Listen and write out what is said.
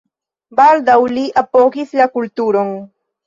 Baldaŭ li apogis la kulturon.